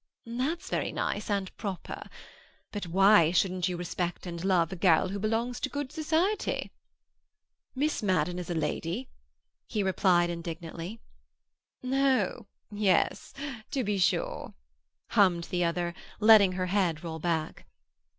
"That's very nice and proper. But why shouldn't you respect and love a girl who belongs to good society?" "Miss Madden is a lady," he replied indignantly. "Oh—yes—to be sure," hummed the other, letting her head roll back.